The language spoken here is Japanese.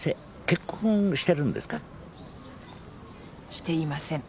していません。